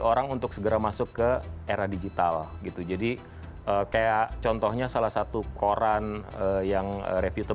orang untuk segera masuk ke era digital gitu jadi kayak contohnya salah satu koran yang refute